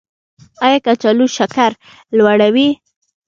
ایا کچالو شکر لوړوي؟